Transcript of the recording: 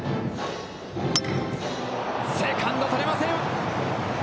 セカンド捕れません。